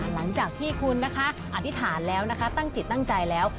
หลังจากที่คุณนะคะอธิษฐานแล้วนะคะตั้งจิตตั้งใจแล้ว